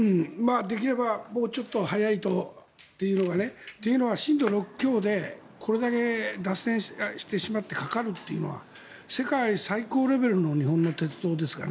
できれば、もうちょっと早いとというのはね。というのは震度６強でこれだけ脱線してしまってかかるというのは世界最高レベルの日本の鉄道ですが